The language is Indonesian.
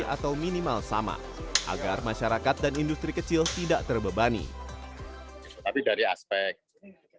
atau minimal sama agar masyarakat dan industri kecil tidak terbebani tapi dari aspek